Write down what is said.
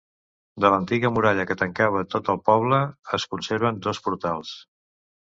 De l'antiga muralla que tancava tot el poble es conserven dos portals.